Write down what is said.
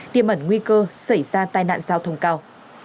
tiêm ẩn nguy cơ xảy ra tai nạn giao thông cao